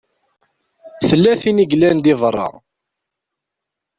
Tella tin i yellan di beṛṛa.